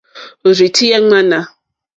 Òrzì tíyá èŋmánà.